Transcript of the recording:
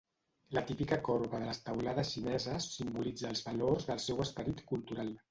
La típica corba de les teulades xineses simbolitza els valors del seu esperit cultural.